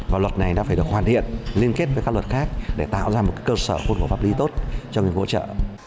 và luật này đã phải được hoàn thiện liên kết với các luật khác để tạo ra một cơ sở khuôn khổ pháp lý tốt cho việc hỗ trợ